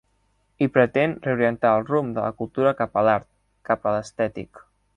I pretén reorientar el rumb de la cultura cap a l'art, cap a l'estètic.